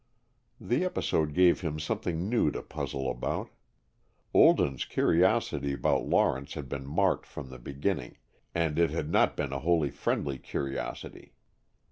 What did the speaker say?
The episode gave him something new to puzzle about. Olden's curiosity about Lawrence had been marked from the beginning, and it had not been wholly a friendly curiosity.